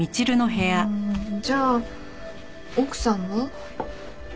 じゃあ奥さんは？